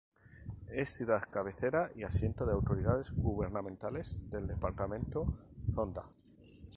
Es ciudad cabecera y asiento de autoridades gubernamentales del departamento Zonda.